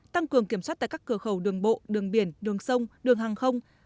tăng cường kiểm soát tại các cửa khẩu đường bộ đường biển đường sông đường hàng không